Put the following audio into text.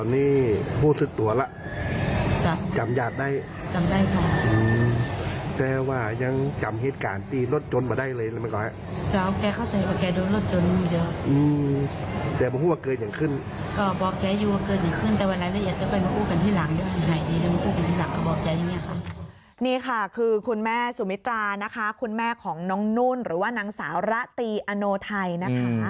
นี่ค่ะคือคุณแม่สุมิตรานะคะคุณแม่ของน้องนุ่นหรือว่านางสาวระตีอโนไทยนะคะ